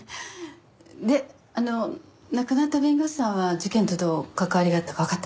であの亡くなった弁護士さんは事件とどう関わりがあったかわかったの？